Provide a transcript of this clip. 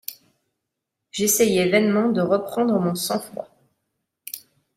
J’essayai vainement de reprendre mon sang-froid.